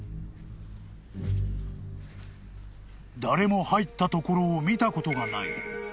［誰も入ったところを見たことがない］